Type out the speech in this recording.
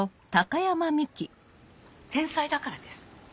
天才だからです。